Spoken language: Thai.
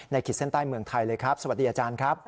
ขีดเส้นใต้เมืองไทยเลยครับสวัสดีอาจารย์ครับ